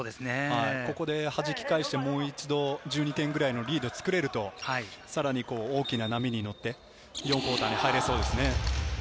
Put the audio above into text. ここではじき返して、もう一度１２点くらいのリードをつくれると、さらに大きな波に乗って４クオーターに入れそうですね。